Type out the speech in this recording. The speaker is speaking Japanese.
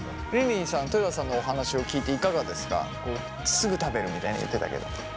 すぐ食べるみたいに言ってたけど。